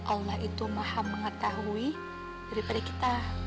allah itu maha mengetahui daripada kita